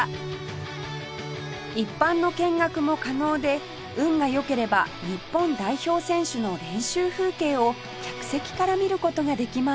一般の見学も可能で運が良ければ日本代表選手の練習風景を客席から見る事ができます